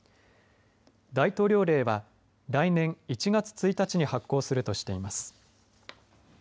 大統領令は来年１月１日に発効するとしています。